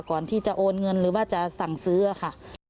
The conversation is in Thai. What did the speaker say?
ก่อนที่จะโอนเงินหรือว่าจะสั่งซื้อค่ะ